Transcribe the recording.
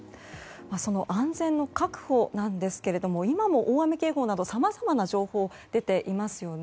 その安全の確保なんですが今も大雨警報などさまざまな情報が出ていますよね。